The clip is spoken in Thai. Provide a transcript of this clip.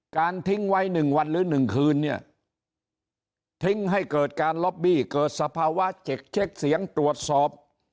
ทิ้งไว้๑วันหรือ๑คืนเนี่ยทิ้งให้เกิดการล็อบบี้เกิดสภาวะเจ็กเช็คเสียงตรวจสอบ